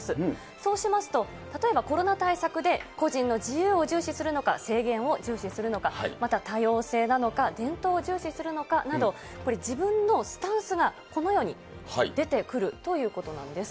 そうしますと、例えば、コロナ対策で個人の自由を重視するのか、制限を重視するのか、また多様性なのか伝統を重視するのかなど、これ、自分のスタンスがこのように出てくるということなんです。